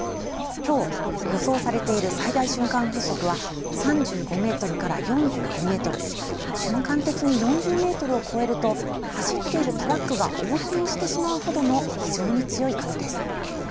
きょう、予想されている最大瞬間風速は、３５メートルから４５メートル、瞬間的に４０メートルを超えると走っているトラックが横転してしまうほどの非常に強い風です。